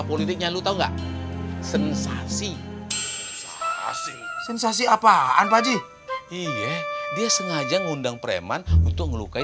politiknya lu tahu nggak sensasi sensasi apaan pak ji iye dia sengaja ngundang kreman untuk ngelukai